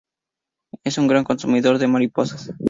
Es un gran consumidor de mariposas.